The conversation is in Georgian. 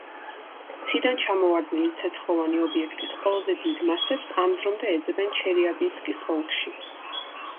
ციდან ჩამოვარდნილი ცეცხლოვანი ობიექტის ყველაზე დიდ მასებს ამ დრომდე ეძებენ ჩელიაბინსკის ოლქში.